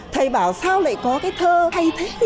thầy bảo sao lại có cái thơ hay thế